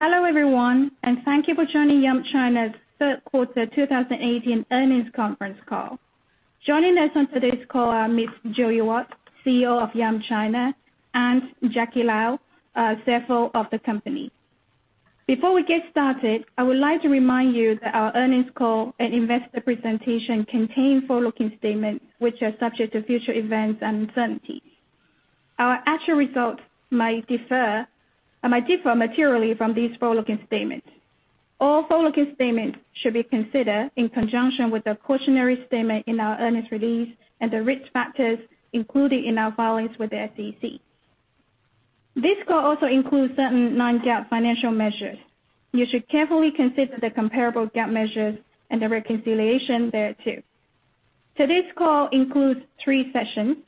Hello, everyone, and thank you for joining Yum China's third quarter 2018 earnings conference call. Joining us on today's call are Ms. Joey Wat, CEO of Yum China, and Jacky Lo, CFO of the company. Before we get started, I would like to remind you that our earnings call and investor presentation contain forward-looking statements which are subject to future events and uncertainties. Our actual results might differ materially from these forward-looking statements. All forward-looking statements should be considered in conjunction with the cautionary statement in our earnings release and the risk factors included in our filings with the SEC. This call also includes certain non-GAAP financial measures. You should carefully consider the comparable GAAP measures and the reconciliation thereto. Today's call includes three sessions.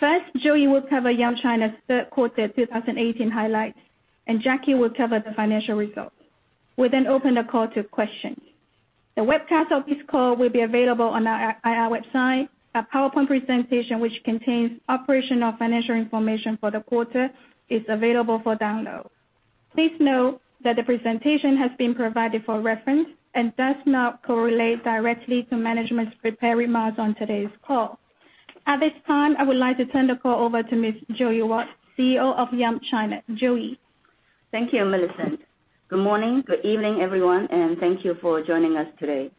First, Joey will cover Yum China's third quarter 2018 highlights, and Jacky will cover the financial results. We'll then open the call to questions. The webcast of this call will be available on our website. Our PowerPoint presentation, which contains operational financial information for the quarter, is available for download. Please note that the presentation has been provided for reference and does not correlate directly to management's prepared remarks on today's call. At this time, I would like to turn the call over to Ms. Joey Wat, CEO of Yum China. Joey? Thank you, Millicent. Good morning, good evening, everyone, and thank you for joining us today.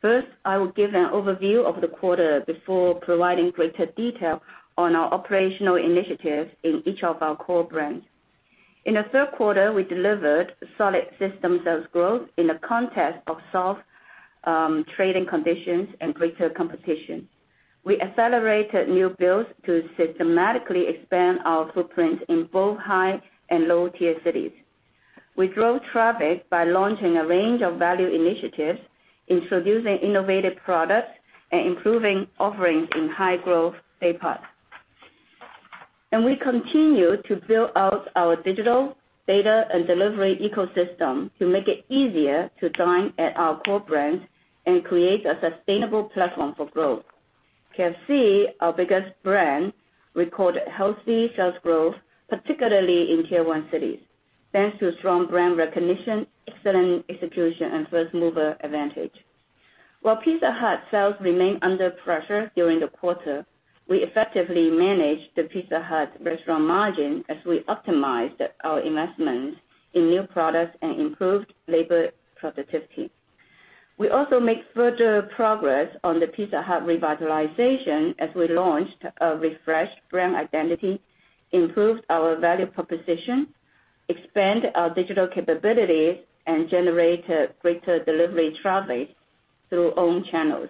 First, I will give an overview of the quarter before providing greater detail on our operational initiatives in each of our core brands. In the third quarter, we delivered solid system sales growth in the context of soft trading conditions and greater competition. We accelerated new builds to systematically expand our footprint in both high and low-tier cities. We drove traffic by launching a range of value initiatives, introducing innovative products, and improving offerings in high-growth dayparts. We continue to build out our digital data and delivery ecosystem to make it easier to dine at our core brands and create a sustainable platform for growth. KFC, our biggest brand, recorded healthy sales growth, particularly in Tier 1 cities, thanks to strong brand recognition, excellent execution, and first-mover advantage. While Pizza Hut sales remained under pressure during the quarter, we effectively managed the Pizza Hut restaurant margin as we optimized our investment in new products and improved labor productivity. We also make further progress on the Pizza Hut revitalization as we launched a refreshed brand identity, improved our value proposition, expand our digital capabilities, and generated greater delivery traffic through owned channels.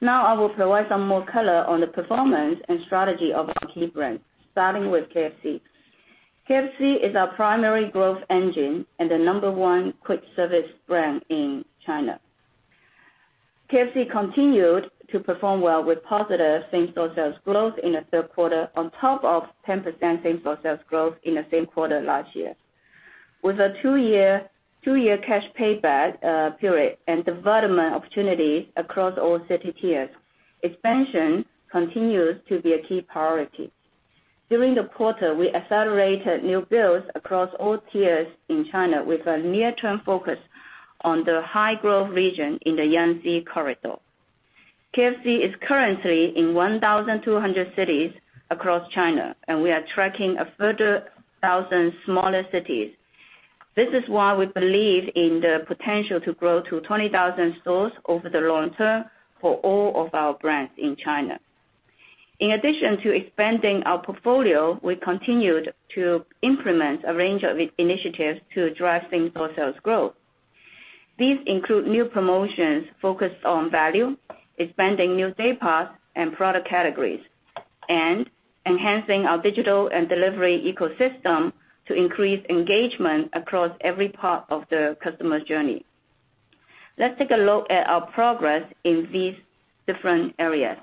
Now, I will provide some more color on the performance and strategy of our key brands, starting with KFC. KFC is our primary growth engine and the number 1 quick-service brand in China. KFC continued to perform well with positive same-store sales growth in the third quarter, on top of 10% same-store sales growth in the same quarter last year. With a two-year cash payback period and development opportunities across all city tiers, expansion continues to be a key priority. During the quarter, we accelerated new builds across all tiers in China with a near-term focus on the high-growth region in the Yangtze corridor. KFC is currently in 1,200 cities across China, we are tracking a further 1,000 smaller cities. This is why we believe in the potential to grow to 20,000 stores over the long term for all of our brands in China. In addition to expanding our portfolio, we continued to implement a range of initiatives to drive same-store sales growth. These include new promotions focused on value, expanding new dayparts and product categories, and enhancing our digital and delivery ecosystem to increase engagement across every part of the customer's journey. Let's take a look at our progress in these different areas.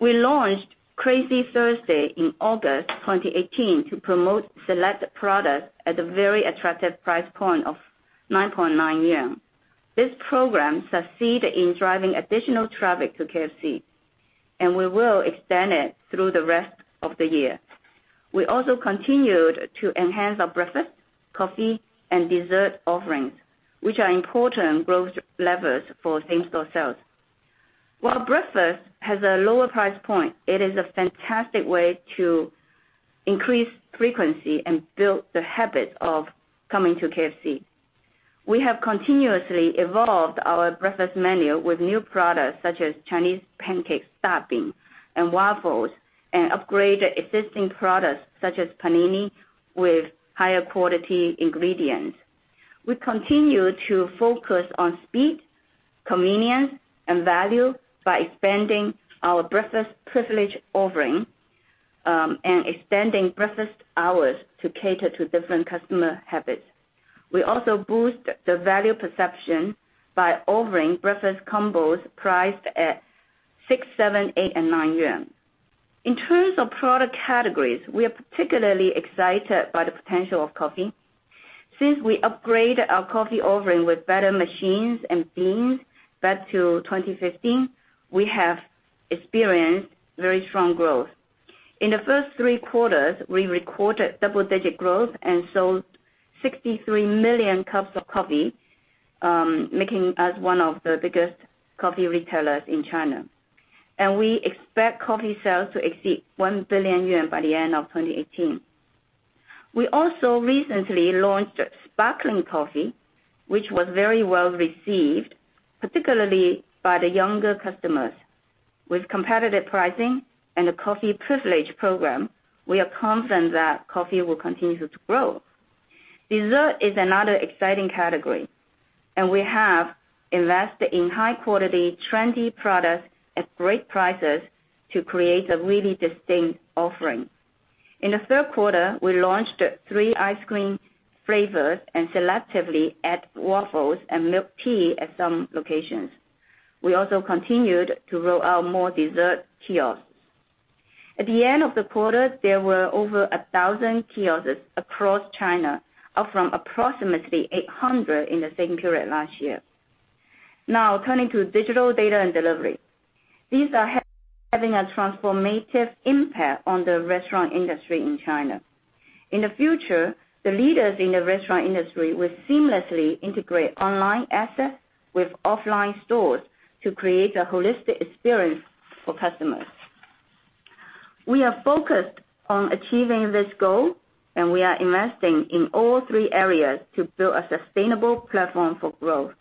We launched Crazy Thursday in August 2018 to promote select products at a very attractive price point of 9.9. This program succeeded in driving additional traffic to KFC, we will extend it through the rest of the year. We also continued to enhance our breakfast, coffee, and dessert offerings, which are important growth levers for same-store sales. While breakfast has a lower price point, it is a fantastic way to increase frequency and build the habit of coming to KFC. We have continuously evolved our breakfast menu with new products such as Chinese pancake stuffing and waffles and upgraded existing products such as panini with higher quality ingredients. We continue to focus on speed, convenience, and value by expanding our breakfast privilege offering, and expanding breakfast hours to cater to different customer habits. We also boost the value perception by offering breakfast combos priced at 6, 7, 8, and 9 yuan. In terms of product categories, we are particularly excited by the potential of coffee. Since we upgraded our coffee offering with better machines and beans back to 2015, we have experienced very strong growth. In the first three quarters, we recorded double-digit growth and sold 63 million cups of coffee, making us one of the biggest coffee retailers in China. We expect coffee sales to exceed 1 billion yuan by the end of 2018. We also recently launched sparkling coffee, which was very well-received, particularly by the younger customers. With competitive pricing and a coffee privilege program, we are confident that coffee will continue to grow. Dessert is another exciting category, and we have invested in high-quality, trendy products at great prices to create a really distinct offering. In the third quarter, we launched three ice cream flavors and selectively added waffles and milk tea at some locations. We also continued to roll out more dessert kiosks. At the end of the quarter, there were over 1,000 kiosks across China, up from approximately 800 in the same period last year. Turning to digital data and delivery. These are having a transformative impact on the restaurant industry in China. In the future, the leaders in the restaurant industry will seamlessly integrate online assets with offline stores to create a holistic experience for customers. We are focused on achieving this goal, and we are investing in all three areas to build a sustainable platform for growth.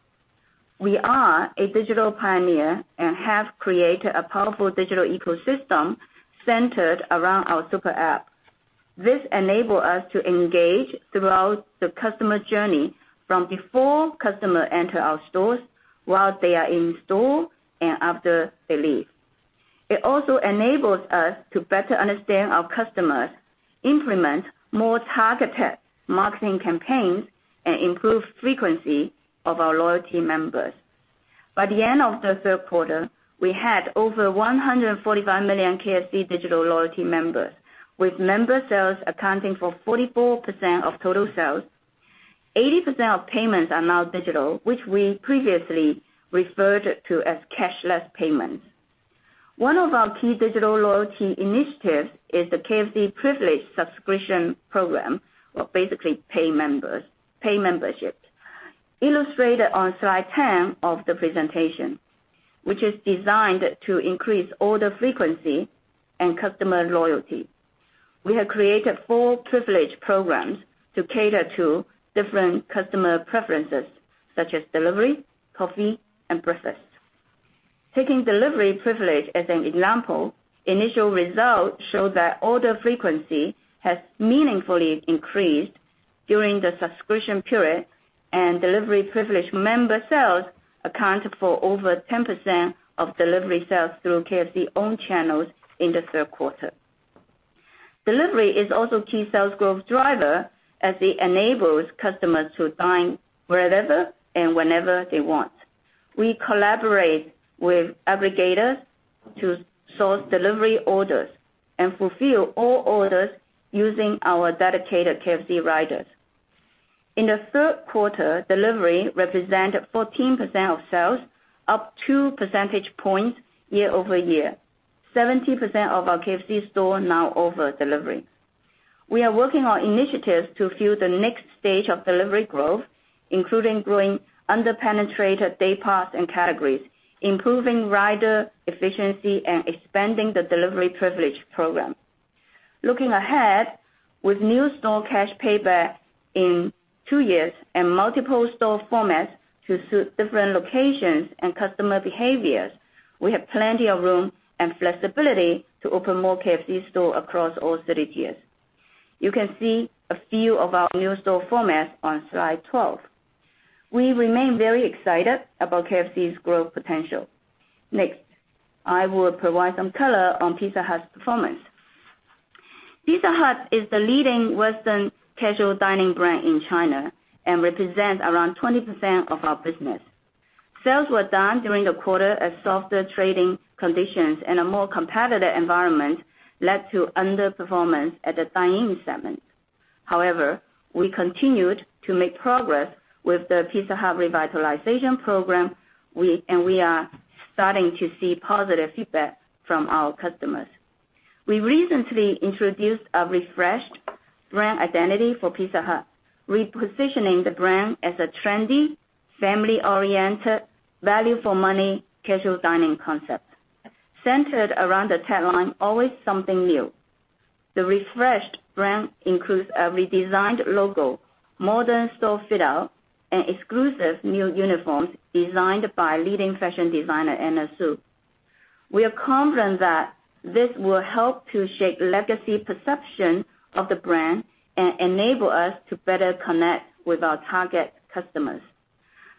We are a digital pioneer and have created a powerful digital ecosystem centered around our super app. This enables us to engage throughout the customer journey from before customers enter our stores, while they are in store, and after they leave. It also enables us to better understand our customers, implement more targeted marketing campaigns, and improve frequency of our loyalty members. By the end of the third quarter, we had over 145 million KFC digital loyalty members, with member sales accounting for 44% of total sales. 80% of payments are now digital, which we previously referred to as cashless payments. One of our key digital loyalty initiatives is the KFC Privilege subscription program, or basically paid membership, illustrated on slide 10 of the presentation, which is designed to increase order frequency and customer loyalty. We have created four privilege programs to cater to different customer preferences, such as delivery, coffee, and breakfast. Taking delivery privilege as an example, initial results show that order frequency has meaningfully increased during the subscription period, and delivery privilege member sales accounted for over 10% of delivery sales through KFC-owned channels in the third quarter. Delivery is also a key sales growth driver, as it enables customers to dine wherever and whenever they want. We collaborate with aggregators to source delivery orders and fulfill all orders using our dedicated KFC riders. In the third quarter, delivery represented 14% of sales, up two percentage points year-over-year. 70% of our KFC stores now offer delivery. We are working on initiatives to fuel the next stage of delivery growth, including growing under-penetrated dayparts and categories, improving rider efficiency, and expanding the delivery Privilege program. Looking ahead, with new store cash payback in two years and multiple store formats to suit different locations and customer behaviors, we have plenty of room and flexibility to open more KFC stores across all city tiers. You can see a few of our new store formats on slide 12. We remain very excited about KFC's growth potential. Next, I will provide some color on Pizza Hut's performance. Pizza Hut is the leading Western casual dining brand in China and represents around 20% of our business. Sales were down during the quarter as softer trading conditions and a more competitive environment led to underperformance at the dine-in segment. We continued to make progress with the Pizza Hut Revitalization Program, and we are starting to see positive feedback from our customers. We recently introduced a refreshed brand identity for Pizza Hut, repositioning the brand as a trendy, family-oriented, value-for-money, casual dining concept. Centered around the tagline, "Always something new," the refreshed brand includes a redesigned logo, modern store fit-out, and exclusive new uniforms designed by leading fashion designer Anna Sui. We are confident that this will help to shape legacy perception of the brand and enable us to better connect with our target customers.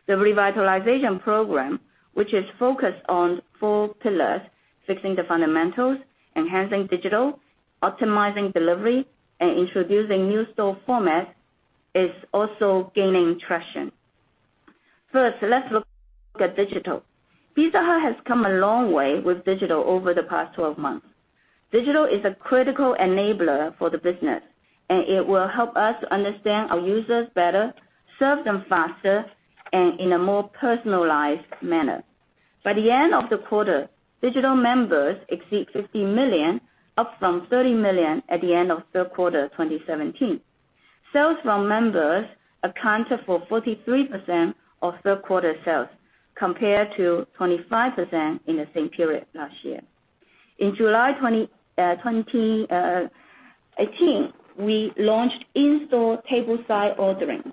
The Revitalization Program, which is focused on four pillars: fixing the fundamentals, enhancing digital, optimizing delivery, and introducing new store formats, is also gaining traction. First, let's look at digital. Pizza Hut has come a long way with digital over the past 12 months. Digital is a critical enabler for the business, and it will help us understand our users better, serve them faster, and in a more personalized manner. By the end of the quarter, digital members exceed 50 million, up from 30 million at the end of third quarter 2017. Sales from members accounted for 43% of third quarter sales, compared to 25% in the same period last year. In July 2018, we launched in-store tableside ordering,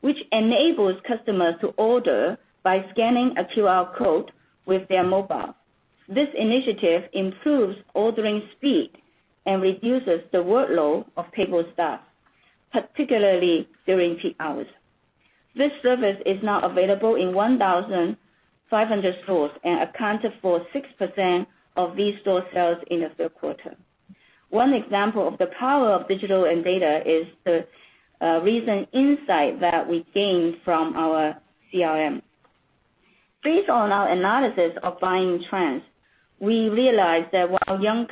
which enables customers to order by scanning a QR code with their mobile. This initiative improves ordering speed and reduces the workload of table staff, particularly during peak hours. This service is now available in 1,500 stores and accounted for 6% of these store sales in the third quarter. One example of the power of digital and data is the recent insight that we gained from our CRM. Based on our analysis of buying trends, we realized that while young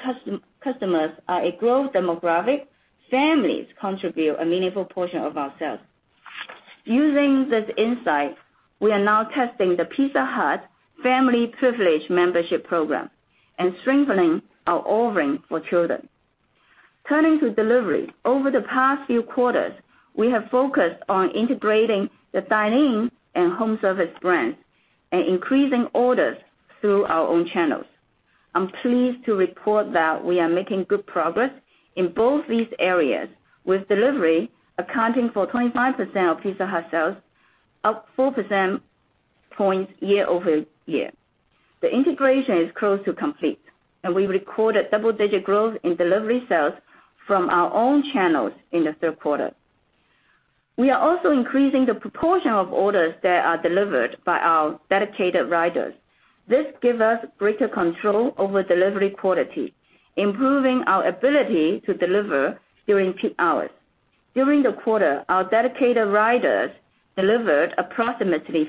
customers are a growth demographic, families contribute a meaningful portion of our sales. Using this insight, we are now testing the Pizza Hut Family Privilege membership program and strengthening our offering for children. Turning to delivery, over the past few quarters, we have focused on integrating the dine-in and home service brands and increasing orders through our own channels. I'm pleased to report that we are making good progress in both these areas, with delivery accounting for 25% of Pizza Hut sales, up 4% points year-over-year. The integration is close to complete. We recorded double-digit growth in delivery sales from our own channels in the third quarter. We are also increasing the proportion of orders that are delivered by our dedicated riders. This gives us greater control over delivery quality, improving our ability to deliver during peak hours. During the quarter, our dedicated riders delivered approximately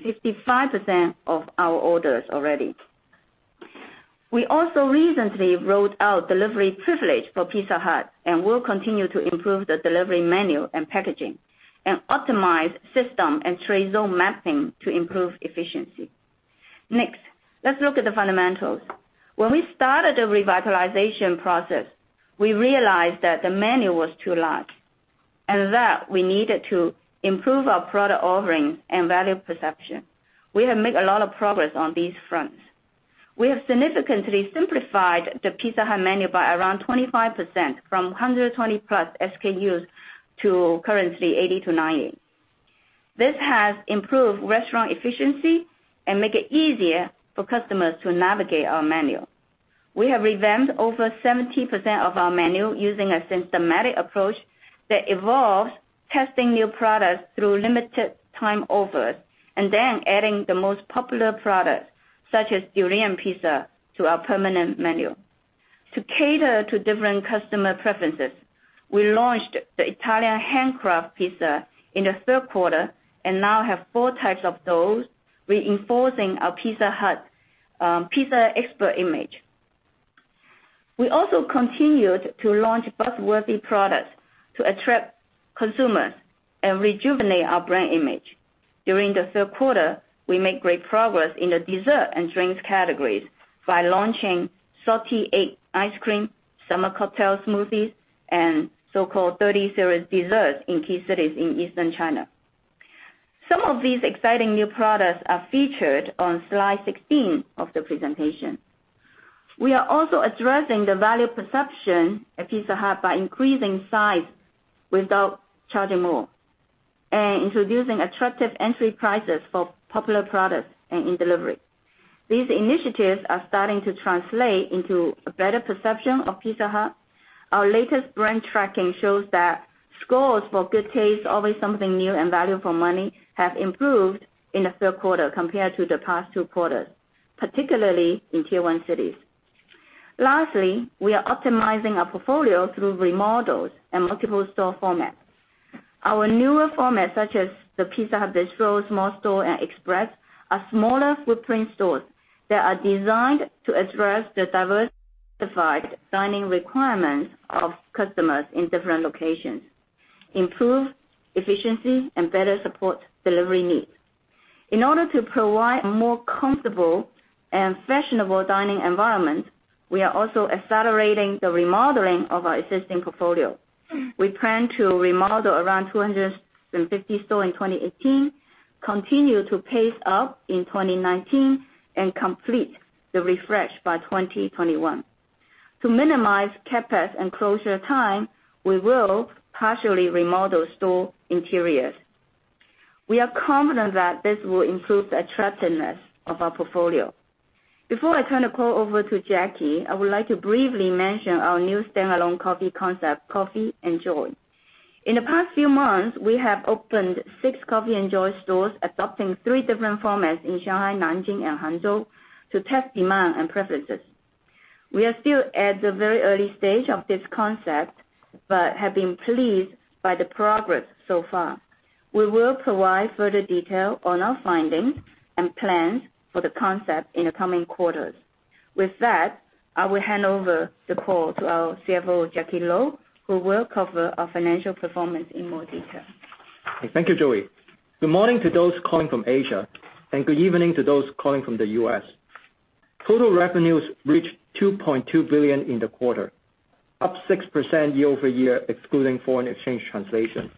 55% of our orders already. We also recently rolled out delivery privilege for Pizza Hut and will continue to improve the delivery menu and packaging and optimize system and trade zone mapping to improve efficiency. Let's look at the fundamentals. When we started the revitalization process, we realized that the menu was too large and that we needed to improve our product offering and value perception. We have made a lot of progress on these fronts. We have significantly simplified the Pizza Hut menu by around 25%, from 120-plus SKUs to currently 80 to 90. This has improved restaurant efficiency and make it easier for customers to navigate our menu. We have revamped over 70% of our menu using a systematic approach that evolves testing new products through limited time offers and then adding the most popular products, such as durian pizza, to our permanent menu. To cater to different customer preferences, we launched the Italian Handcraft Pizza in the third quarter and now have 4 types of those, reinforcing our Pizza Hut pizza expert image. We also continued to launch buzz-worthy products to attract consumers and rejuvenate our brand image. During the third quarter, we made great progress in the dessert and drinks categories by launching salted egg ice cream, summer cocktail smoothies, and so-called 30s series desserts in key cities in Eastern China. Some of these exciting new products are featured on slide 16 of the presentation. We are also addressing the value perception at Pizza Hut by increasing size without charging more and introducing attractive entry prices for popular products and in delivery. These initiatives are starting to translate into a better perception of Pizza Hut. Our latest brand tracking shows that scores for good taste, always something new, and value for money have improved in the third quarter compared to the past two quarters, particularly in Tier 1 cities. We are optimizing our portfolio through remodels and multiple store formats. Our newer formats, such as the Pizza Hut Fresh, Small Store, and Express, are smaller footprint stores that are designed to address the diversified dining requirements of customers in different locations, improve efficiency, and better support delivery needs. In order to provide a more comfortable and fashionable dining environment, we are also accelerating the remodeling of our existing portfolio. We plan to remodel around 250 stores in 2018, continue to pace up in 2019, and complete the refresh by 2021. To minimize CapEx and closure time, we will partially remodel store interiors. We are confident that this will improve the attractiveness of our portfolio. Before I turn the call over to Jacky, I would like to briefly mention our new standalone coffee concept, COFFii & JOY. In the past few months, we have opened six COFFii & JOY stores, adopting three different formats in Shanghai, Nanjing, and Hangzhou to test demand and preferences. We are still at the very early stage of this concept but have been pleased by the progress so far. We will provide further detail on our findings and plans for the concept in the coming quarters. With that, I will hand over the call to our CFO, Jacky Lo, who will cover our financial performance in more detail. Thank you, Joey. Good morning to those calling from Asia, and good evening to those calling from the U.S. Total revenues reached $2.2 billion in the quarter, up 6% year-over-year excluding foreign exchange translation.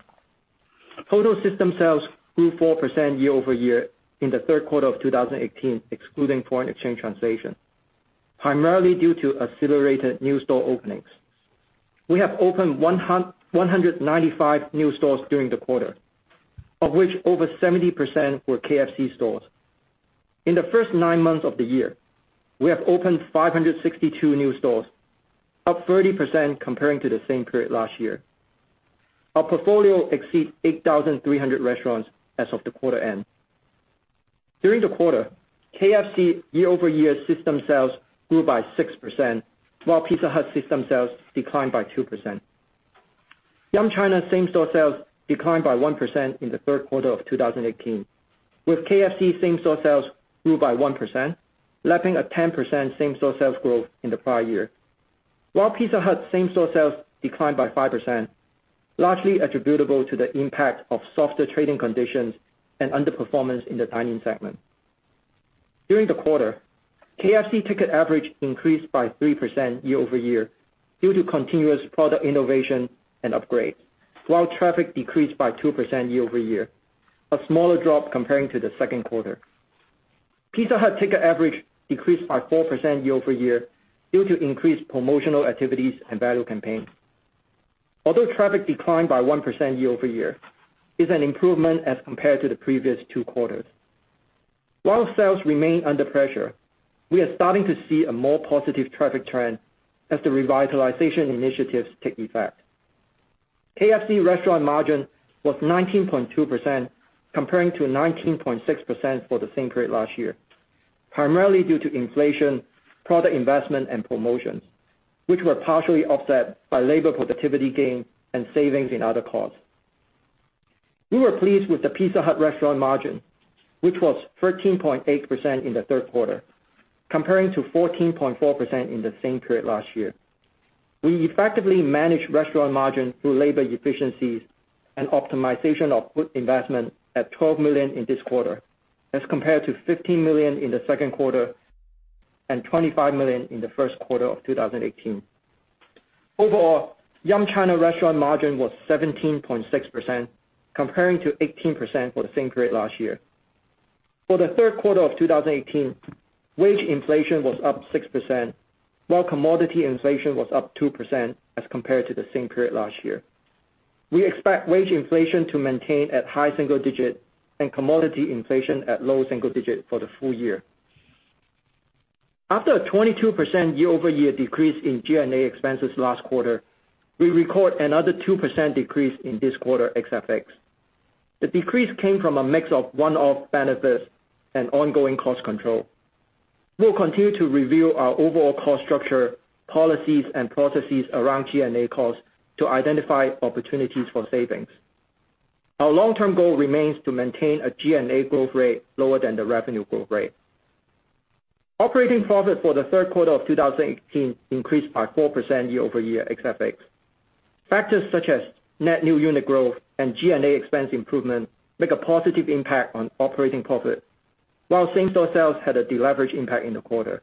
Total system sales grew 4% year-over-year in the third quarter of 2018, excluding foreign exchange translation, primarily due to accelerated new store openings. We have opened 195 new stores during the quarter, of which over 70% were KFC stores. In the first nine months of the year, we have opened 562 new stores, up 30% comparing to the same period last year. Our portfolio exceeds 8,300 restaurants as of the quarter end. During the quarter, KFC year-over-year system sales grew by 6%, while Pizza Hut system sales declined by 2%. Yum China same-store sales declined by 1% in the third quarter of 2018, with KFC same-store sales grew by 1%, lapping a 10% same-store sales growth in the prior year. While Pizza Hut same-store sales declined by 5%, largely attributable to the impact of softer trading conditions and underperformance in the dining segment. During the quarter, KFC ticket average increased by 3% year-over-year due to continuous product innovation and upgrades, while traffic decreased by 2% year-over-year, a smaller drop comparing to the second quarter. Pizza Hut ticket average decreased by 4% year-over-year due to increased promotional activities and value campaigns. Although traffic declined by 1% year-over-year, it's an improvement as compared to the previous two quarters. While sales remain under pressure, we are starting to see a more positive traffic trend as the revitalization initiatives take effect. KFC restaurant margin was 19.2% comparing to 19.6% for the same period last year, primarily due to inflation, product investment and promotions, which were partially offset by labor productivity gain and savings in other costs. We were pleased with the Pizza Hut restaurant margin, which was 13.8% in the third quarter, comparing to 14.4% in the same period last year. We effectively managed restaurant margin through labor efficiencies and optimization of investment at $ 12 million in this quarter, as compared to $Y 15 million in the second quarter and $25 million in the first quarter of 2018. Overall, Yum China restaurant margin was 17.6%, comparing to 18% for the same period last year. For the third quarter of 2018, wage inflation was up 6%, while commodity inflation was up 2% as compared to the same period last year. We expect wage inflation to maintain at high single digit and commodity inflation at low single digit for the full year. After a 22% year-over-year decrease in G&A expenses last quarter, we record another 2% decrease in this quarter ex FX. The decrease came from a mix of one-off benefits and ongoing cost control. We'll continue to review our overall cost structure, policies and processes around G&A costs to identify opportunities for savings. Our long-term goal remains to maintain a G&A growth rate lower than the revenue growth rate. Operating profit for the third quarter of 2018 increased by 4% year-over-year ex FX. Factors such as net new unit growth and G&A expense improvement make a positive impact on operating profit, while same-store sales had a deleverage impact in the quarter.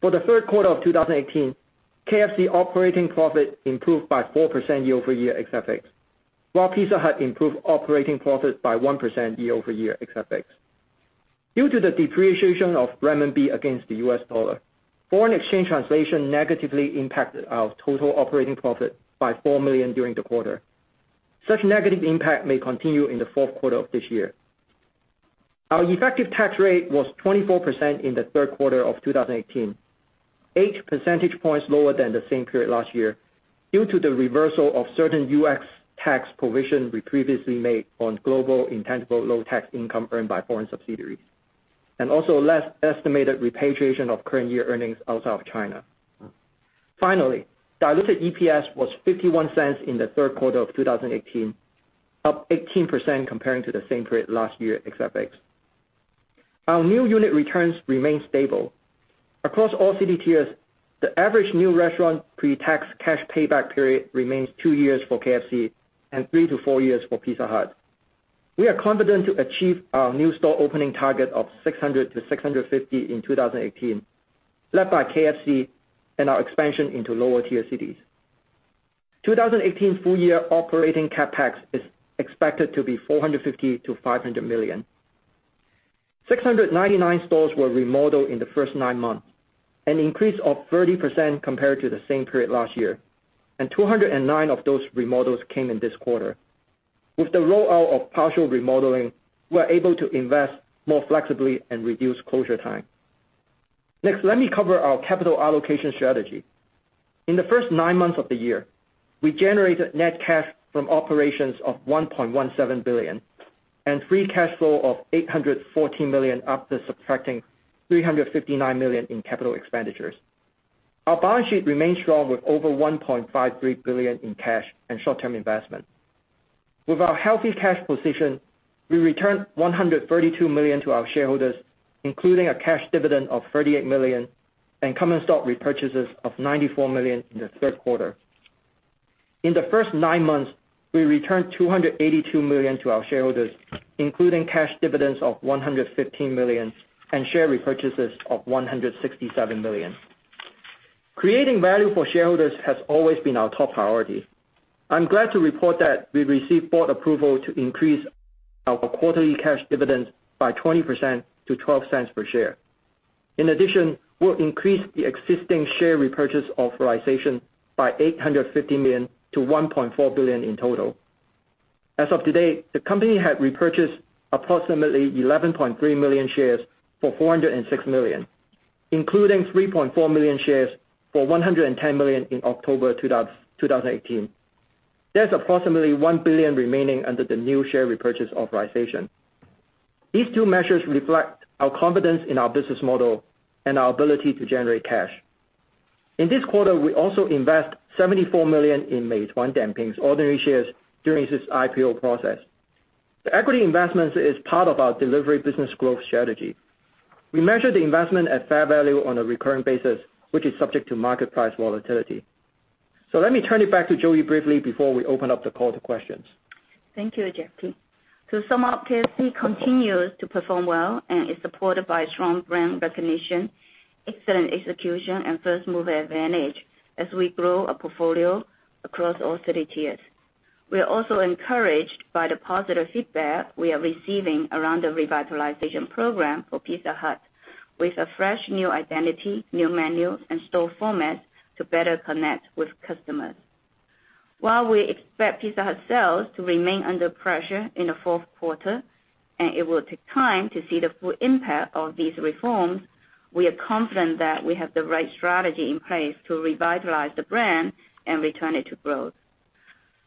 For the third quarter of 2018, KFC operating profit improved by 4% year-over-year ex FX, while Pizza Hut improved operating profit by 1% year-over-year ex FX. Due to the depreciation of renminbi against the US dollar, foreign exchange translation negatively impacted our total operating profit by $4 million during the quarter. Such negative impact may continue in the fourth quarter of this year. Our effective tax rate was 24% in the third quarter of 2018, eight percentage points lower than the same period last year due to the reversal of certain U.S. tax provision we previously made on global intangible low-taxed income earned by foreign subsidiaries, and also a less estimated repatriation of current year earnings outside of China. Finally, diluted EPS was $0.51 in the third quarter of 2018, up 18% comparing to the same period last year ex FX. Our new unit returns remain stable. Across all city tiers, the average new restaurant pre-tax cash payback period remains two years for KFC and three to four years for Pizza Hut. We are confident to achieve our new store opening target of 600-650 in 2018, led by KFC and our expansion into lower tier cities. 2018 full year operating CapEx is expected to be $450 million-$500 million. 699 stores were remodeled in the first nine months, an increase of 30% compared to the same period last year, and 209 of those remodels came in this quarter. With the rollout of partial remodeling, we're able to invest more flexibly and reduce closure time. Next, let me cover our capital allocation strategy. In the first nine months of the year, we generated net cash from operations of $1.17 billion and free cash flow of $814 million after subtracting $359 million in CapEx. Our balance sheet remains strong with over $1.53 billion in cash and short-term investment. With our healthy cash position, we returned $132 million to our shareholders, including a cash dividend of $38 million and common stock repurchases of $94 million in the third quarter. In the first nine months, we returned $282 million to our shareholders, including cash dividends of $115 million and share repurchases of $167 million. Creating value for shareholders has always been our top priority. I'm glad to report that we received Board approval to increase our quarterly cash dividend by 20% to $0.12 per share. We'll increase the existing share repurchase authorization by $850 million to $1.4 billion in total. As of today, the company had repurchased approximately 11.3 million shares for $406 million, including 3.4 million shares for $110 million in October 2018. There's approximately $1 billion remaining under the new share repurchase authorization. These two measures reflect our confidence in our business model and our ability to generate cash. In this quarter, we also invest $74 million in Meituan-Dianping's ordinary shares during its IPO process. The equity investment is part of our delivery business growth strategy. We measure the investment at fair value on a recurring basis, which is subject to market price volatility. Let me turn it back to Joey briefly before we open up the call to questions. Thank you, Jacky. To sum up, KFC continues to perform well and is supported by strong brand recognition, excellent execution, and first-mover advantage as we grow our portfolio across all city tiers. We are also encouraged by the positive feedback we are receiving around the revitalization program for Pizza Hut, with a fresh new identity, new menu, and store format to better connect with customers. We expect Pizza Hut sales to remain under pressure in the fourth quarter, and it will take time to see the full impact of these reforms, we are confident that we have the right strategy in place to revitalize the brand and return it to growth.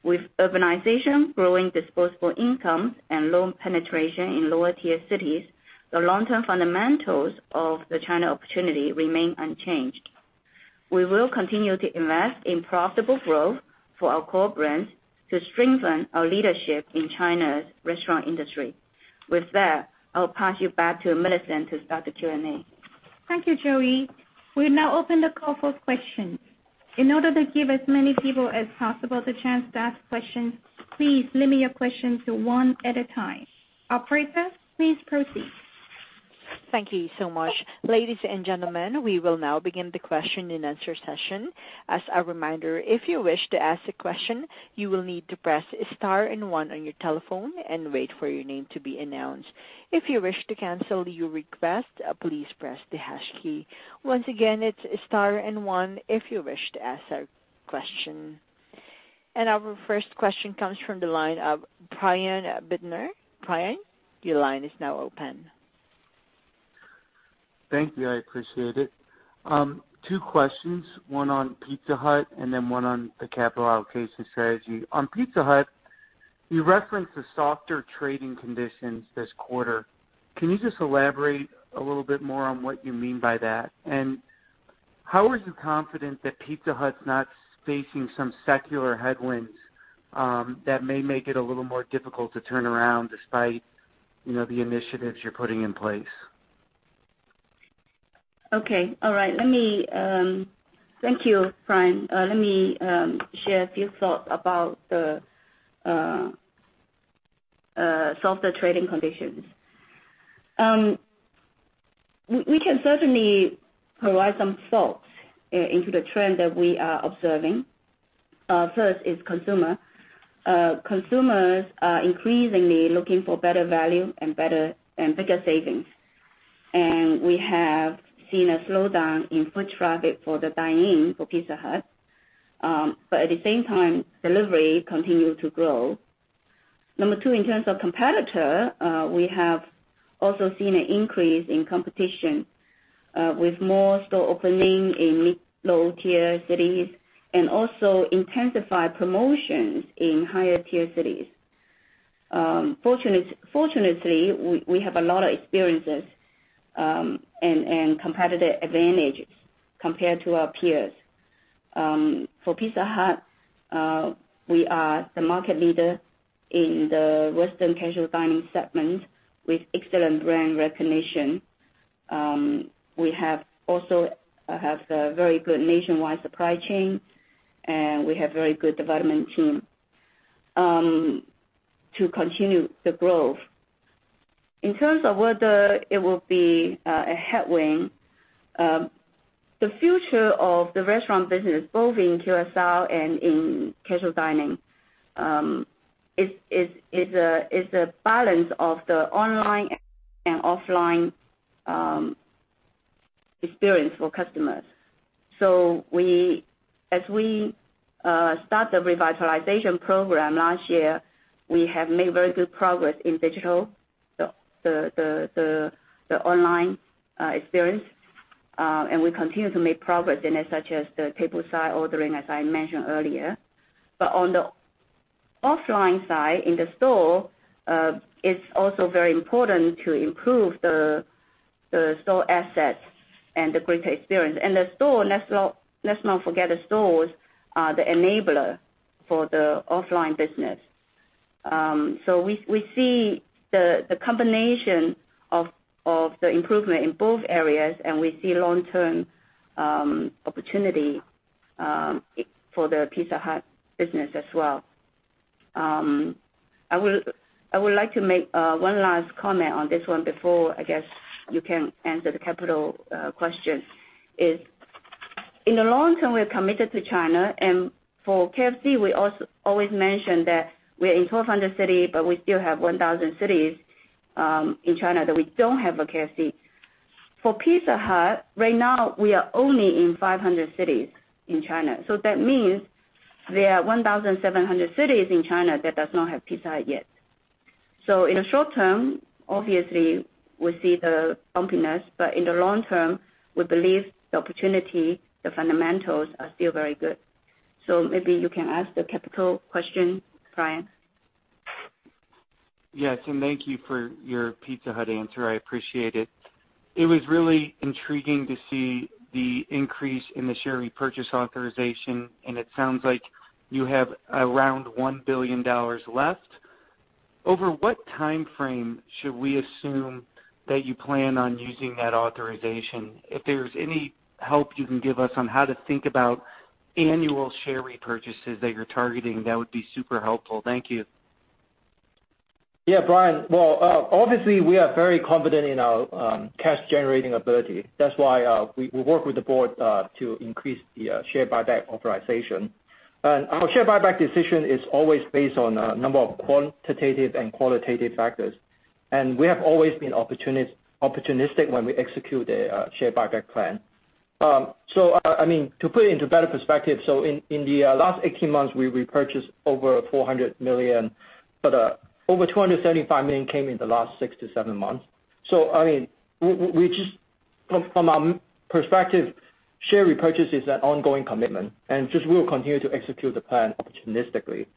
With urbanization, growing disposable income, and low penetration in lower-tier cities, the long-term fundamentals of the China opportunity remain unchanged. We will continue to invest in profitable growth for our core brands to strengthen our leadership in China's restaurant industry. I'll pass you back to Millicent to start the Q&A. Thank you, Joey. We now open the call for questions. In order to give as many people as possible the chance to ask questions, please limit your questions to one at a time. Operator, please proceed. Thank you so much. Ladies and gentlemen, we will now begin the question-and-answer session. As a reminder, if you wish to ask a question, you will need to press star and one on your telephone and wait for your name to be announced. If you wish to cancel your request, please press the hash key. Once again, it's star and one if you wish to ask a question. Our first question comes from the line of Brian Bittner. Brian, your line is now open. Thank you. I appreciate it. Two questions, one on Pizza Hut and then one on the capital allocation strategy. On Pizza Hut, you referenced the softer trading conditions this quarter. Can you just elaborate a little bit more on what you mean by that? How are you confident that Pizza Hut's not facing some secular headwinds that may make it a little more difficult to turn around despite the initiatives you're putting in place? Okay. All right. Thank you, Brian. Let me share a few thoughts about the softer trading conditions. We can certainly provide some thoughts into the trend that we are observing. First is consumer. Consumers are increasingly looking for better value and bigger savings. We have seen a slowdown in foot traffic for the dine-in for Pizza Hut. At the same time, delivery continued to grow. Number two, in terms of competitor, we have also seen an increase in competition, with more store opening in mid, low-tier cities and also intensified promotions in higher-tier cities. Fortunately, we have a lot of experiences and competitive advantages compared to our peers. For Pizza Hut, we are the market leader in the western casual dining segment with excellent brand recognition. We have also a very good nationwide supply chain, we have very good development team to continue the growth. In terms of whether it will be a headwind, the future of the restaurant business, both in QSR and in casual dining, is a balance of the online and offline experience for customers. As we start the revitalization program last year, we have made very good progress in digital, the online experience, and we continue to make progress in it, such as the table-side ordering, as I mentioned earlier. On the offline side, in the store, it is also very important to improve the store assets and the greater experience. Let us not forget the stores are the enabler for the offline business. We see the combination of the improvement in both areas, and we see long-term opportunity for the Pizza Hut business as well. I would like to make one last comment on this one before, I guess, you can answer the capital question, is in the long term, we are committed to China. For KFC, we always mention that we are in 1,200 city, but we still have 1,000 cities in China that we do not have a KFC. For Pizza Hut, right now we are only in 500 cities in China. That means there are 1,700 cities in China that does not have Pizza Hut yet. In the short term, obviously, we see the bumpiness, but in the long term, we believe the opportunity, the fundamentals, are still very good. Maybe you can ask the capital question, Brian. Yes, thank you for your Pizza Hut answer. I appreciate it. It was really intriguing to see the increase in the share repurchase authorization, and it sounds like you have around $1 billion left. Over what timeframe should we assume that you plan on using that authorization? If there is any help you can give us on how to think about annual share repurchases that you are targeting, that would be super helpful. Thank you. Brian. Well, obviously, we are very confident in our cash-generating ability. That is why we work with the board to increase the share buyback authorization. Our share buyback decision is always based on a number of quantitative and qualitative factors. We have always been opportunistic when we execute a share buyback plan. To put it into better perspective, in the last 18 months, we repurchased over $400 million, but over $275 million came in the last six to seven months. From our perspective, share repurchase is an ongoing commitment, and just we will continue to execute the plan opportunistically.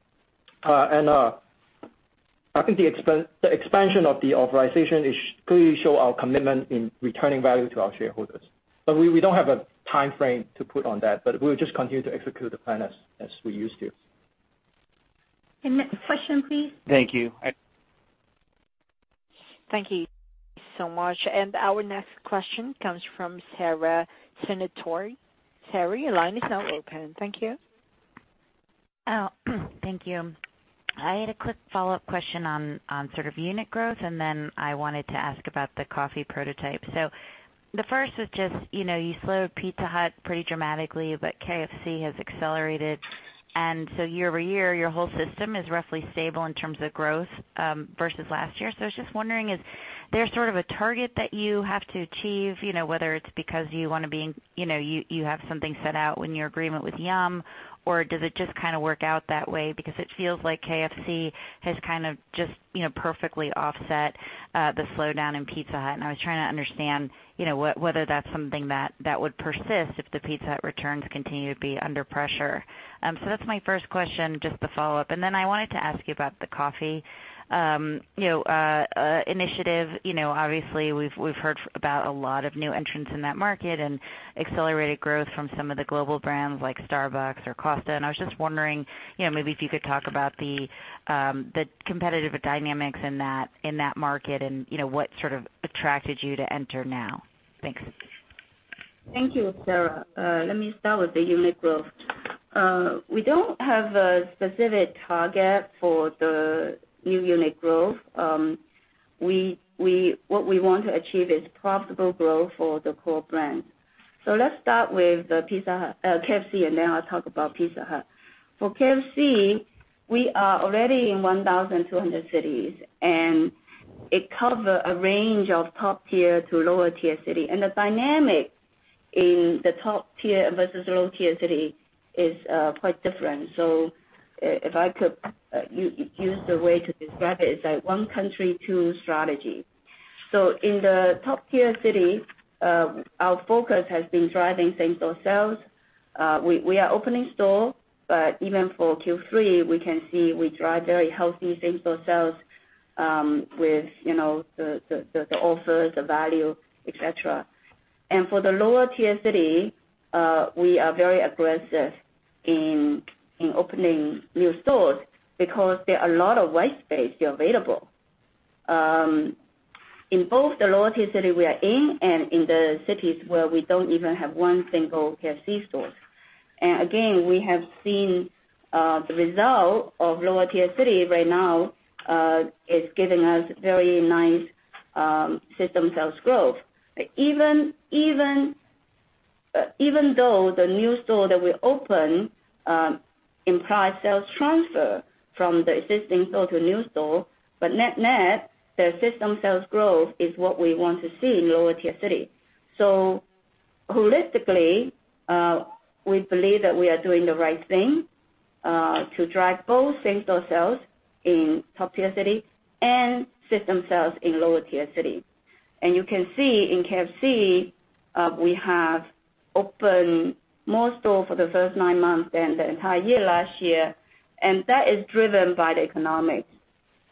I think the expansion of the authorization clearly show our commitment in returning value to our shareholders. We do not have a timeframe to put on that, but we will just continue to execute the plan as we used to. Next question, please. Thank you. Thank you so much. Our next question comes from Sara Senatore. Sara, your line is now open. Thank you. Thank you. I had a quick follow-up question on sort of unit growth, and then I wanted to ask about the coffee prototype. The first is just, you slowed Pizza Hut pretty dramatically, but KFC has accelerated. Year-over-year, your whole system is roughly stable in terms of growth versus last year. I was just wondering, is there sort of a target that you have to achieve, whether it's because you have something set out in your agreement with Yum, or does it just kind of work out that way? Because it feels like KFC has kind of just perfectly offset the slowdown in Pizza Hut, and I was trying to understand whether that's something that would persist if the Pizza Hut returns continue to be under pressure. That's my first question, just to follow up. I wanted to ask you about the coffee initiative. Obviously, we've heard about a lot of new entrants in that market and accelerated growth from some of the global brands like Starbucks or Costa. I was just wondering, maybe if you could talk about the competitive dynamics in that market and what sort of attracted you to enter now. Thanks. Thank you, Sara. Let me start with the unit growth. We don't have a specific target for the new unit growth. What we want to achieve is profitable growth for the core brands. Let's start with KFC, I'll talk about Pizza Hut. For KFC, we are already in 1,200 cities, it covers a range of top-tier to lower-tier cities. The dynamic in the top-tier versus lower-tier cities is quite different. If I could use the way to describe it's like one country, two strategy. In the top-tier city, our focus has been driving same-store sales. We are opening store, but even for Q3, we can see we drive very healthy same-store sales with the offers, the value, et cetera. For the lower-tier cities, we are very aggressive in opening new stores because there are a lot of white space still available. In both the lower-tier cities we are in and in the cities where we don't even have one single KFC store. Again, we have seen the result of lower-tier cities right now is giving us very nice system sales growth. Even though the new store that we open implies sales transfer from the existing store to new store. Net net, the system sales growth is what we want to see in lower-tier cities. Holistically, we believe that we are doing the right thing, to drive both same-store sales in top-tier cities and system sales in lower-tier cities. You can see in KFC, we have opened more stores for the first nine months than the entire year last year, that is driven by the economics.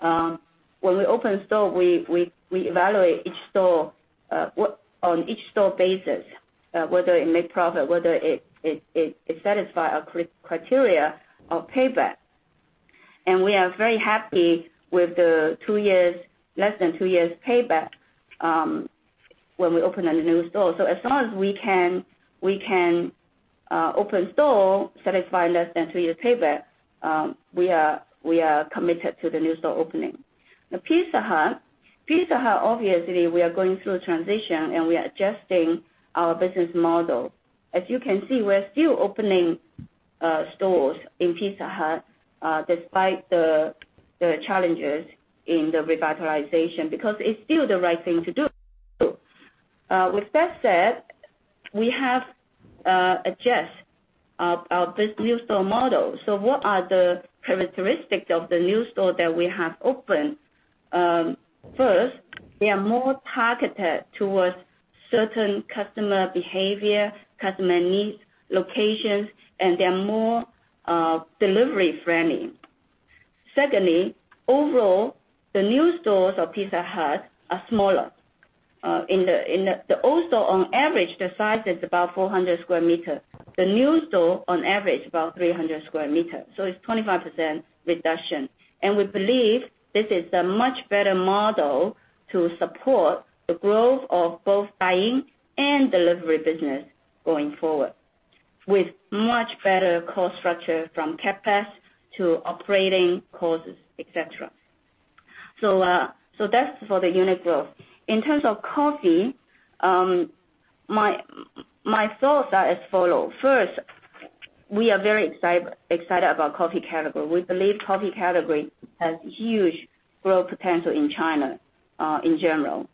When we open a store, we evaluate on each store basis, whether it makes profit, whether it satisfies our criteria of payback. We are very happy with the less than two years payback, when we open a new store. As long as we can open store, satisfy less than two years payback, we are committed to the new store opening. Now Pizza Hut. Pizza Hut, obviously, we are going through a transition, we are adjusting our business model. You can see, we are still opening stores in Pizza Hut, despite the challenges in the revitalization, because it's still the right thing to do. With that said, we have adjusted our this new store model. What are the characteristics of the new store that we have opened? First, they are more targeted towards certain customer behavior, customer needs, locations, and they are more delivery-friendly. Secondly, overall, the new stores of Pizza Hut are smaller. The old store, on average, the size is about 400 sq m. The new store, on average, about 300 sq m. It's 25% reduction. We believe this is a much better model to support the growth of both dine-in and delivery business going forward. With much better cost structure from CapEx to operating costs, et cetera. That's for the unit growth. In terms of coffee, my thoughts are as follow. First, we are very excited about coffee category. We believe coffee category has huge growth potential in China, in general.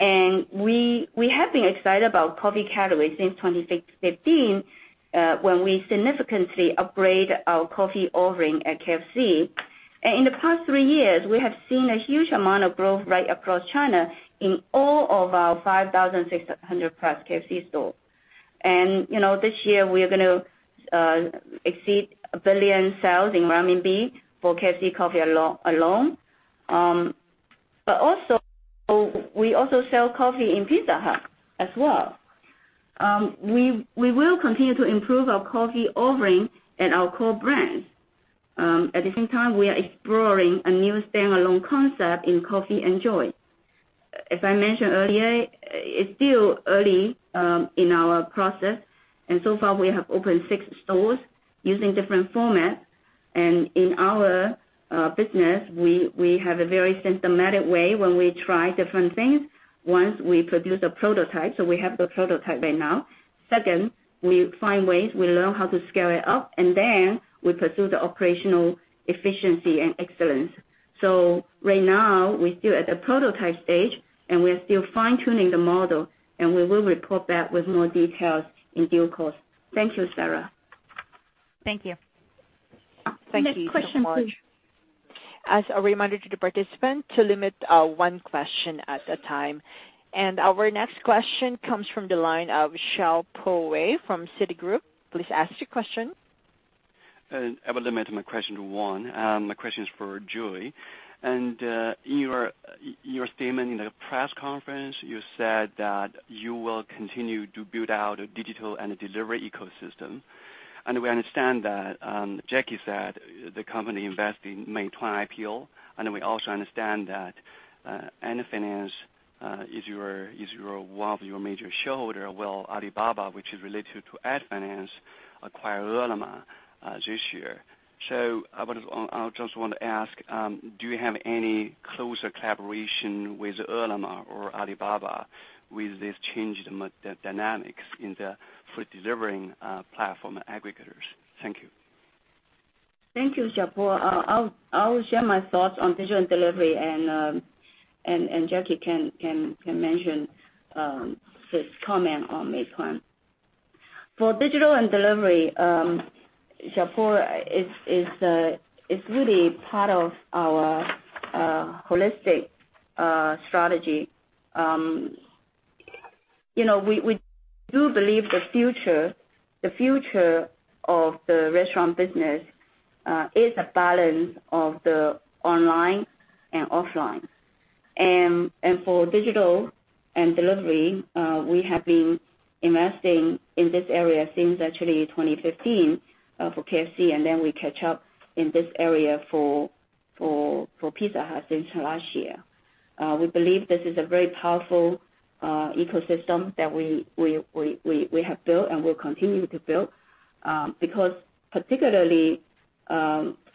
We have been excited about coffee category since 2015, when we significantly upgrade our coffee offering at KFC. In the past three years, we have seen a huge amount of growth right across China in all of our 5,600+ KFC stores. This year, we are going to exceed 1 billion sales for KFC coffee alone. Also, we also sell coffee in Pizza Hut as well. We will continue to improve our coffee offering at our core brands. At the same time, we are exploring a new standalone concept in COFFii & JOY. As I mentioned earlier, it's still early in our process, and so far we have opened six stores using different formats. In our business, we have a very systematic way when we try different things. Once we produce a prototype, so we have the prototype right now. Second, we find ways, we learn how to scale it up, and then we pursue the operational efficiency and excellence. Right now, we're still at the prototype stage, and we are still fine-tuning the model, and we will report back with more details in due course. Thank you, Sara. Thank you. Thank you so much. Next question, please. As a reminder to the participant to limit one question at a time. Our next question comes from the line of Xiaopo Wei from Citigroup. Please ask your question. I will limit my question to one. My question is for Joey. In your statement in the press conference, you said that you will continue to build out a digital and a delivery ecosystem. We understand that, Jacky said, the company invest in Meituan IPO. We also understand that Ant Financial is one of your major shareholder. Well, Alibaba, which is related to Ant Financial, acquired Ele.me this year. I just want to ask, do you have any closer collaboration with Ele.me or Alibaba with this changed dynamics in the food delivering platform aggregators? Thank you. Thank you, Xiaopo. I will share my thoughts on digital and delivery, and Jacky can comment on Meituan. For digital and delivery, Xiaopo, it's really part of our holistic strategy. We do believe the future of the restaurant business is a balance of the online and offline. For digital and delivery, we have been investing in this area since actually 2015, for KFC, and then we catch up in this area for Pizza Hut since last year. We believe this is a very powerful ecosystem that we have built and will continue to build. Particularly,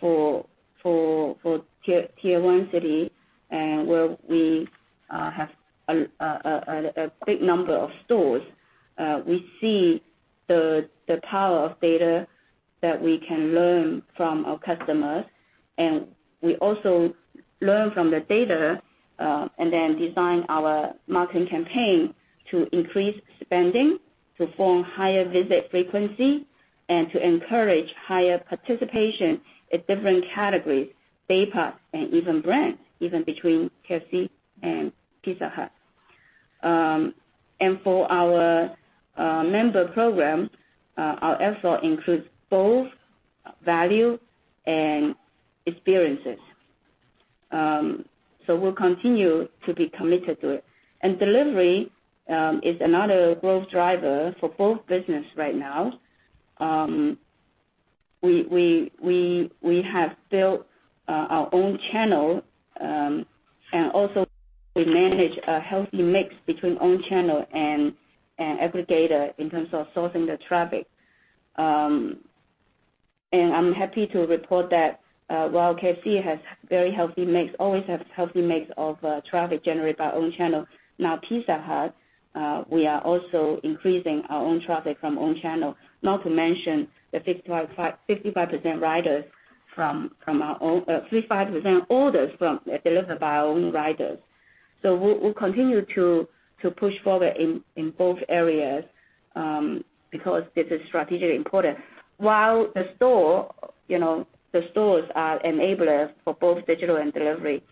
for tier 1 city, where we have a big number of stores, we see the power of data that we can learn from our customers, and we also learn from the data, and then design our marketing campaign to increase spending, to form higher visit frequency, and to encourage higher participation at different categories, [paper] and even brands, even between KFC and Pizza Hut. For our member program, our effort includes both value and experiences. We'll continue to be committed to it. Delivery is another growth driver for both business right now. We have built our own channel, and also we manage a healthy mix between own channel and aggregator in terms of sourcing the traffic. I'm happy to report that while KFC has very healthy mix, always have healthy mix of traffic generated by own channel. Now, Pizza Hut, we are also increasing our own traffic from own channel. Not to mention the 55% orders delivered by our own riders. We'll continue to push forward in both areas, because this is strategically important. While the stores are enablers for both digital and delivery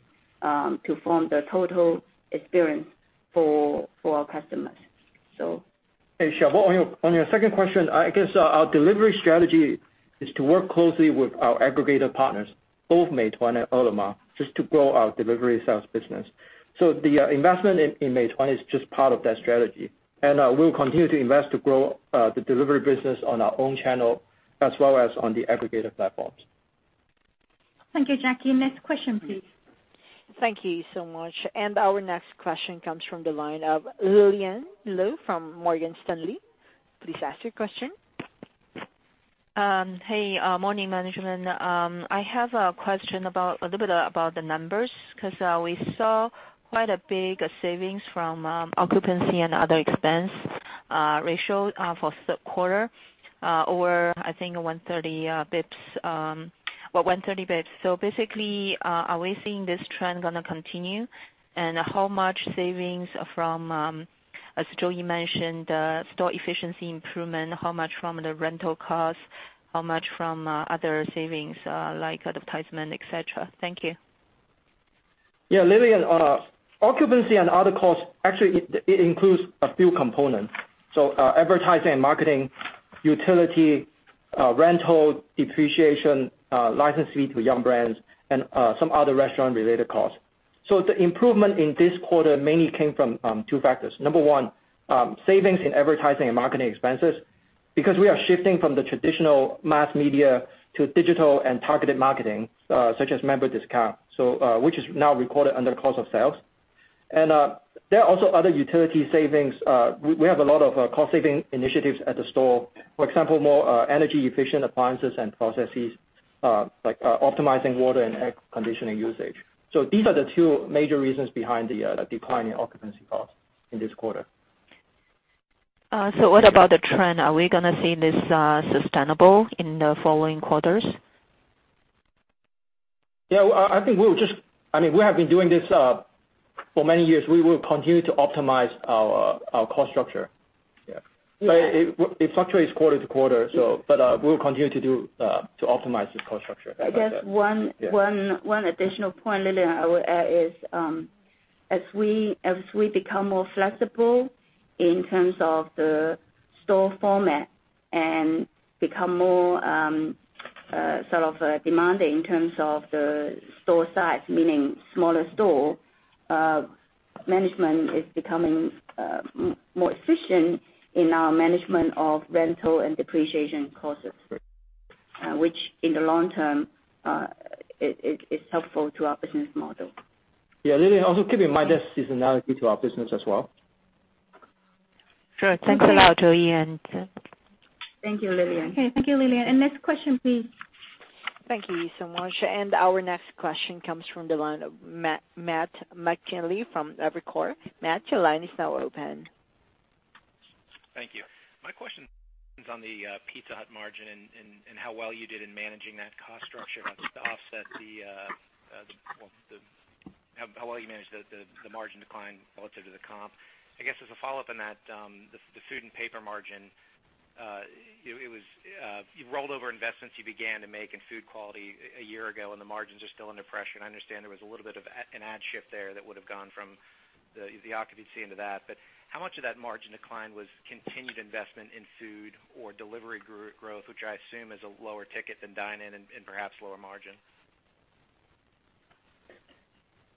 to form the total experience for our customers. Hey, Xiaopo, on your second question, I guess our delivery strategy is to work closely with our aggregator partners, both Meituan and Ele.me, just to grow our delivery sales business. The investment in Meituan is just part of that strategy. We'll continue to invest to grow the delivery business on our own channel as well as on the aggregator platforms. Thank you, Jacky. Next question, please. Thank you so much. Our next question comes from the line of Lillian Lou from Morgan Stanley. Please ask your question. Hey, morning management. I have a question a little bit about the numbers, because we saw quite a big savings from occupancy and other expense ratio for third quarter, or I think 130 basis points. Basically, are we seeing this trend going to continue? How much savings from, as Joey mentioned, the store efficiency improvement, how much from the rental cost, how much from other savings like advertisement, et cetera? Thank you. Yeah, Lillian, occupancy and other costs, actually, it includes a few components. Advertising and marketing, utility, rental, depreciation, license fee to Yum Brands, and some other restaurant-related costs. The improvement in this quarter mainly came from two factors. Number one, savings in advertising and marketing expenses because we are shifting from the traditional mass media to digital and targeted marketing, such as member discount, which is now recorded under cost of sales. There are also other utility savings. We have a lot of cost-saving initiatives at the store. For example, more energy-efficient appliances and processes, like optimizing water and air conditioning usage. These are the two major reasons behind the decline in occupancy costs in this quarter. What about the trend? Are we gonna see this sustainable in the following quarters? We have been doing this for many years. We will continue to optimize our cost structure. Yeah. It fluctuates quarter to quarter, but we'll continue to optimize this cost structure like I said. I guess one additional point, Lillian, I would add is, as we become more flexible in terms of the store format and become more demanding in terms of the store size, meaning smaller store, management is becoming more efficient in our management of rental and depreciation costs. Right. Which in the long term, is helpful to our business model. Yeah, Lillian, also keep in mind there's seasonality to our business as well. Sure. Thanks a lot, Joey and Xiaopo. Thank you, Lillian. Okay. Thank you, Lillian. Next question please. Thank you so much. Our next question comes from the line of Matt McGinley from Evercore. Matt, your line is now open. Thank you. My question is on the Pizza Hut margin and how well you did in managing that cost structure and how well you managed the margin decline relative to the comp. I guess as a follow-up on that, the food and paper margin, you rolled over investments you began to make in food quality a year ago, and the margins are still under pressure, and I understand there was a little bit of an ad shift there that would've gone from the occupancy into that. How much of that margin decline was continued investment in food or delivery growth, which I assume is a lower ticket than dine-in and perhaps lower margin?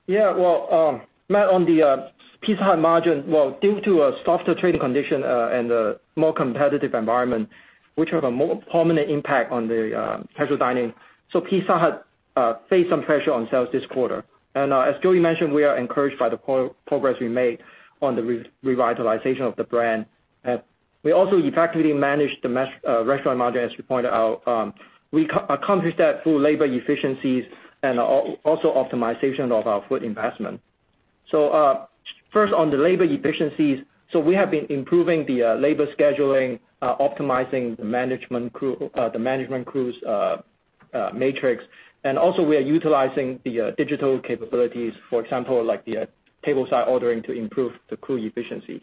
Yeah. Well, Matt, on the Pizza Hut margin, well, due to a softer trading condition and a more competitive environment, which have a more prominent impact on the casual dining. Pizza Hut faced some pressure on sales this quarter. As Joey mentioned, we are encouraged by the progress we made on the revitalization of the brand. We also effectively managed the restaurant margin, as you pointed out. We accomplished that through labor efficiencies and also optimization of our food investment. First on the labor efficiencies, we have been improving the labor scheduling, optimizing the management crews matrix. Also we are utilizing the digital capabilities, for example, like the tableside ordering to improve the crew efficiencies.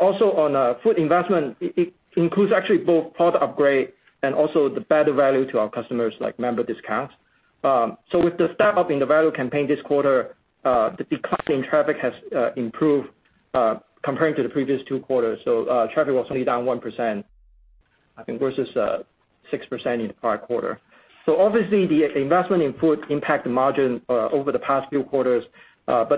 Also on food investment, it includes actually both product upgrade and also the better value to our customers like member discounts. With the step-up in the value campaign this quarter, the decline in traffic has improved, comparing to the previous two quarters. Traffic was only down 1%, I think, versus 6% in the prior quarter. Obviously the investment in food impacted margin over the past few quarters.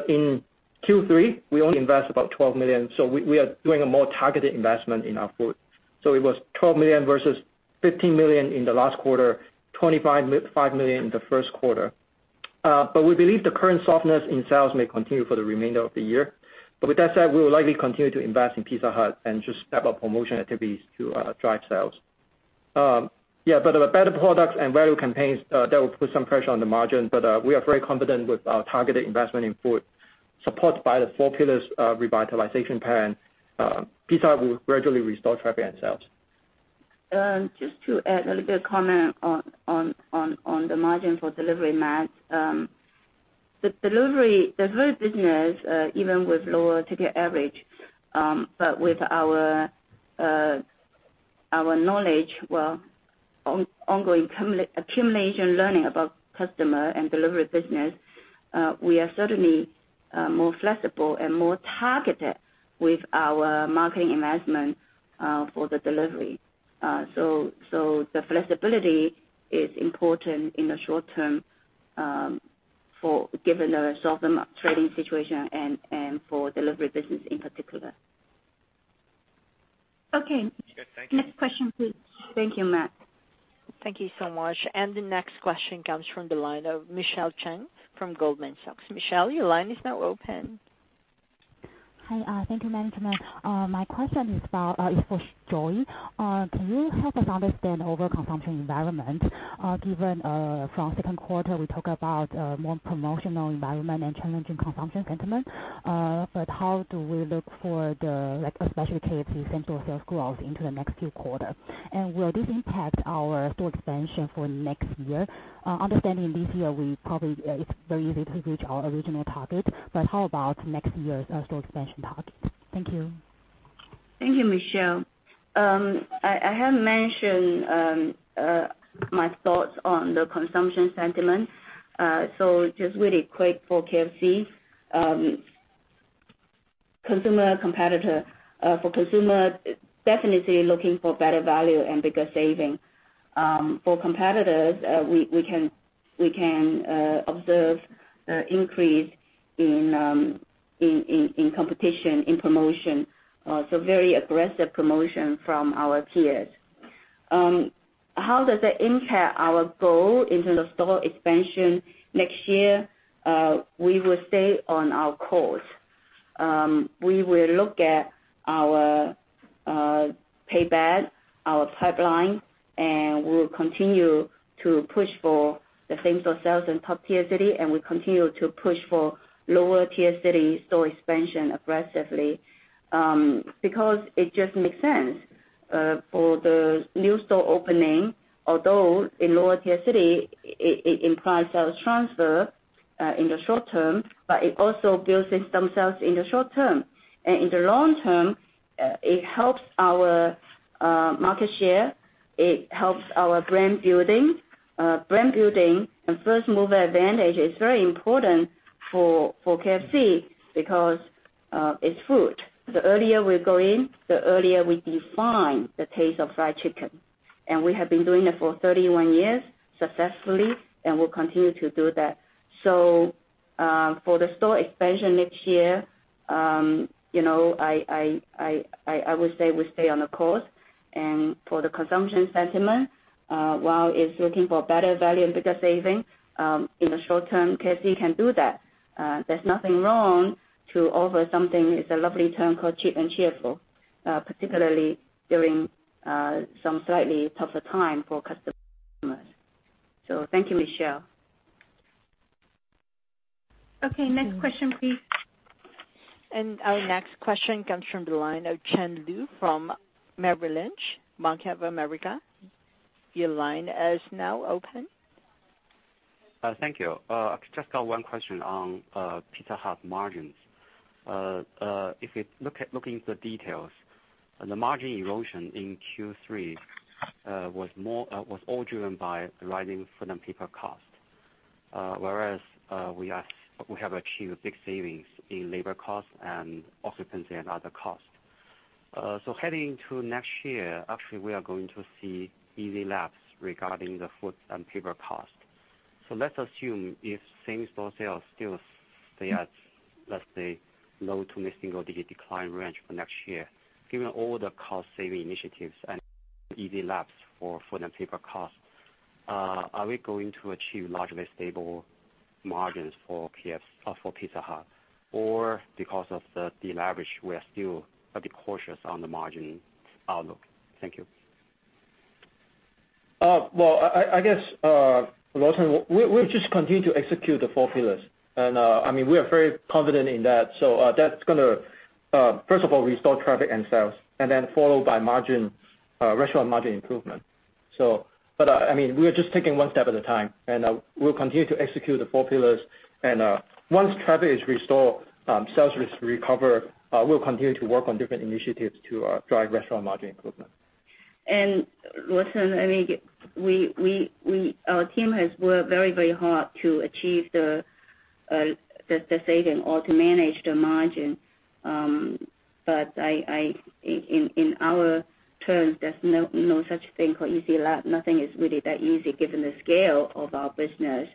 In Q3, we only invest about $12 million. We are doing a more targeted investment in our food. It was $12 million versus $15 million in the last quarter, $25 million in the first quarter. We believe the current softness in sales may continue for the remainder of the year. With that said, we will likely continue to invest in Pizza Hut and just step up promotion activities to drive sales. The better products and value campaigns, that will put some pressure on the margin. We are very confident with our targeted investment in food, supported by the four pillars of revitalization plan. Pizza Hut will gradually restore traffic and sales. Just to add a little bit of comment on the margin for delivery, Matt. The delivery business, even with lower ticket average, with our knowledge, ongoing accumulation learning about customer and delivery business, we are certainly more flexible and more targeted with our marketing investment for the delivery. The flexibility is important in the short term, given the softer trading situation and for delivery business in particular. Okay. Thank you. Next question, please. Thank you, Matt. Thank you so much. The next question comes from the line of Michelle Cheng from Goldman Sachs. Michelle, your line is now open. Hi. Thank you, management. My question is for Joey. Can you help us understand overall consumption environment, given from second quarter, we talk about a more promotional environment and challenging consumption sentiment. How do we look for the, especially KFC same-store sales growth into the next few quarters? Will this impact our store expansion for next year? Understanding this year, it's very easy to reach our original target, how about next year's store expansion target? Thank you. Thank you, Michelle. I have mentioned my thoughts on the consumption sentiment. Just really quick for KFC. For consumer, definitely looking for better value and bigger saving. For competitors, we can observe increase in competition, in promotion. Very aggressive promotion from our peers. How does that impact our goal in terms of store expansion next year? We will stay on our course. We will look at our payback, our pipeline, and we will continue to push for the same-store sales in top tier city, and we continue to push for lower tier city store expansion aggressively. It just makes sense for the new store opening, although in lower tier city, it implies sales transfer in the short term, but it also builds in some sales in the short term. In the long term, it helps our market share. It helps our brand building. Brand building and first-mover advantage is very important for KFC because it's food. The earlier we go in, the earlier we define the taste of fried chicken. We have been doing that for 31 years successfully, and we'll continue to do that. For the store expansion next year, I would say we stay on the course. For the consumption sentiment, while it's looking for better value and bigger saving, in the short term, KFC can do that. There's nothing wrong to offer something, it's a lovely term called cheap and cheerful, particularly during some slightly tougher time for customers. Thank you, Michelle. Okay. Next question, please. Our next question comes from the line of Chen Luo from Bank of America Merrill Lynch. Your line is now open. Thank you. I've just got one question on Pizza Hut margins. If you look into the details, the margin erosion in Q3 was all driven by rising food and paper cost. Whereas, we have achieved big savings in labor cost and occupancy and other costs. Heading into next year, actually, we are going to see easy laps regarding the food and paper cost. Let's assume if same-store sales still stay at, let's say, low to mid single-digit decline range for next year. Given all the cost-saving initiatives and easy laps for food and paper cost, are we going to achieve largely stable margins for Pizza Hut? Because of the leverage, we are still a bit cautious on the margin outlook? Thank you. Well, I guess, Luo, we just continue to execute the four pillars. We are very confident in that. That's going to, first of all, restore traffic and sales, and then followed by restaurant margin improvement. We are just taking one step at a time, and we'll continue to execute the four pillars. Once traffic is restored, sales rates recover, we'll continue to work on different initiatives to drive restaurant margin improvement. Luo Chen, our team has worked very hard to achieve the saving or to manage the margin. In our terms, there's no such thing called easy. Nothing is really that easy given the scale of our business.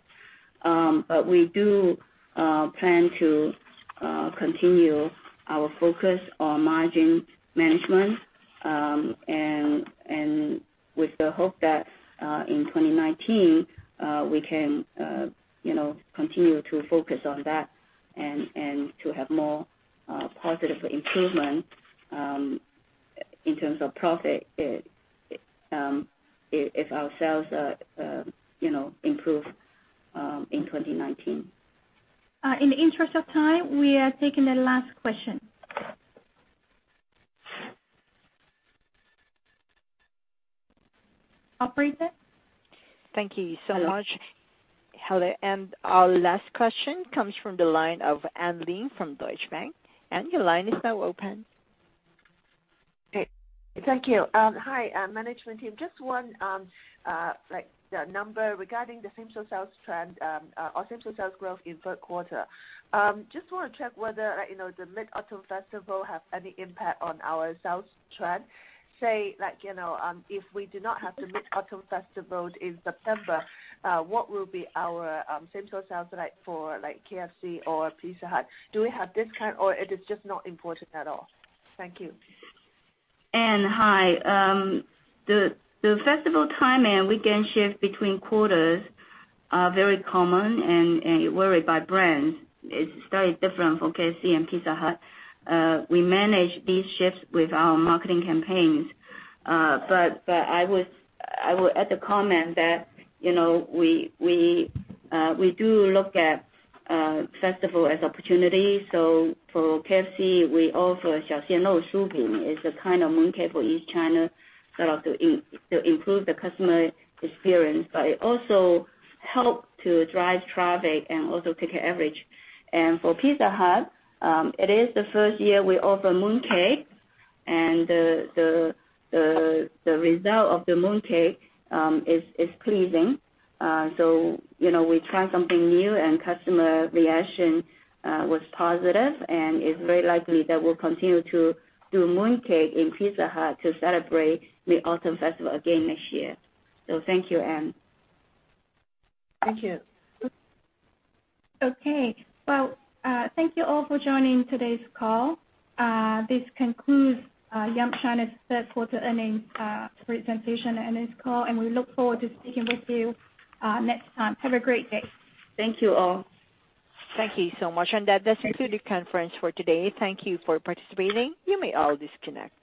We do plan to continue our focus on margin management, and with the hope that in 2019, we can continue to focus on that and to have more positive improvement, in terms of profit, if our sales improve in 2019. In the interest of time, we are taking the last question. Operator? Thank you so much. Hello, our last question comes from the line of Anne Ling from Deutsche Bank. Anne, your line is now open. Thank you. Hi, management team. Just one number regarding the same store sales trend or same store sales growth in third quarter. Just want to check whether the Mid-Autumn Festival has any impact on our sales trend. Say, if we do not have the Mid-Autumn Festival in September, what will be our same store sales for KFC or Pizza Hut? Do we have discount or it is just not important at all? Thank you. Anne, hi. The festival timing weekend shift between quarters are very common and vary by brand. It's very different for KFC and Pizza Hut. We manage these shifts with our marketing campaigns. I would add the comment that we do look at festival as opportunity. For KFC, we offer is a kind of mooncake for East China, sort of to improve the customer experience, but it also help to drive traffic and also ticket average. For Pizza Hut, it is the first year we offer mooncake, and the result of the mooncake is pleasing. We try something new and customer reaction was positive, and it's very likely that we'll continue to do mooncake in Pizza Hut to celebrate the Autumn Festival again next year. Thank you, Anne. Thank you. Okay. Well, thank you all for joining today's call. This concludes Yum China's third quarter earnings presentation and this call. We look forward to speaking with you next time. Have a great day. Thank you all. Thank you so much. That does conclude the conference for today. Thank you for participating. You may all disconnect.